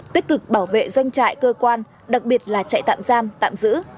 tích cực bảo vệ doanh trại cơ quan đặc biệt là chạy tạm giam tạm giữ